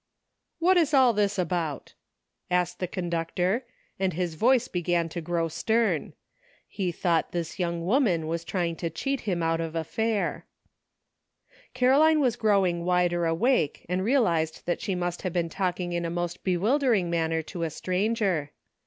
"What is all this about?" asked the con ductor, and his voice began to grow stern ; he thought this young woman was trying to cheat him out of a fare. Caroline was growing wider awake, and real ized that she must have been talking in a most bewildering marmer to a stranger.